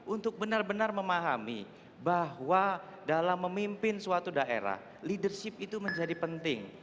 untuk benar benar memahami bahwa dalam memimpin suatu daerah leadership itu menjadi penting